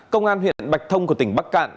công an huyện bạch thông của tỉnh bạch thông